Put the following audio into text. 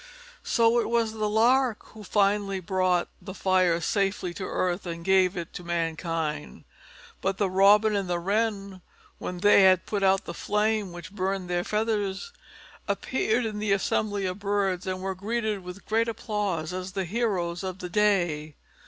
So it was the Lark who finally brought the fire safely to the earth and gave it to mankind. But the Robin and the Wren, when they had put out the flame which burned their feathers, appeared in the assembly of the birds, and were greeted with great applause as the heroes of the day.